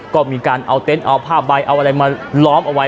ก็มีการเอาเต็นต์เอาผ้าใบเอาอะไรมาล้อมเอาไว้